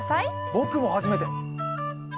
僕も初めて。